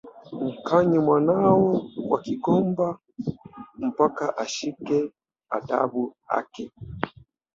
Mkanye mwanao kwa kigomba mpaka ashike adabu ake.